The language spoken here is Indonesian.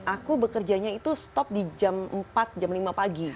aku bekerjanya itu stop di jam empat jam lima pagi